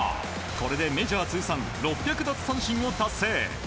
これでメジャー通算６００奪三振を達成。